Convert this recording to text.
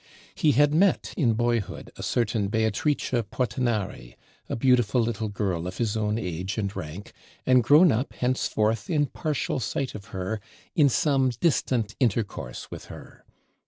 He had met in boyhood a certain Beatrice Portinari, a beautiful little girl of his own age and rank, and grown up henceforth in partial sight of her, in some distant intercourse with her.